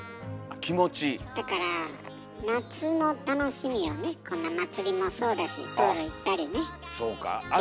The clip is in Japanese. だから夏の楽しみをねこんな祭りもそうだしプール行ったりね行水したり。